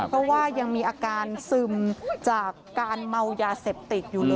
เพราะว่ายังมีอาการซึมจากการเมายาเสพติดอยู่เลย